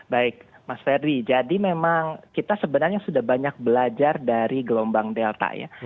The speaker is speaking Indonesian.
baik mas ferdi jadi memang kita sebenarnya sudah banyak belajar dari gelombang delta ya